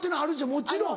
もちろん。